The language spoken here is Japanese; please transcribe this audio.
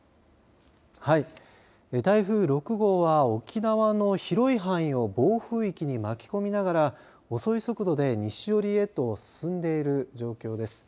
はい、台風６号は沖縄の広い範囲を暴風域に巻き込みながら遅い速度で西寄りへと進んでいる状況です。